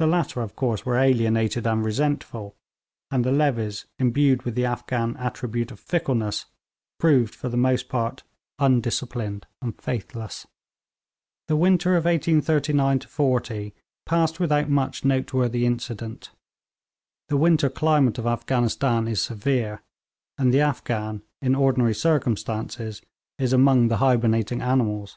The latter, of course, were alienated and resentful, and the levies, imbued with the Afghan attribute of fickleness, proved for the most part undisciplined and faithless. The winter of 1839 40 passed without much noteworthy incident. The winter climate of Afghanistan is severe, and the Afghan, in ordinary circumstances, is among the hibernating animals.